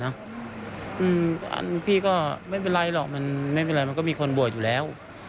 อันนี้พี่ก็ไม่เป็นไรหรอกมันไม่เป็นไรมันก็มีคนบวชอยู่แล้ว